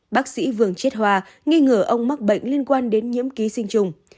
bác sĩ vương chết hoa nghi ngờ ông mắc bệnh liên quan đến nhiễm ký sinh trùng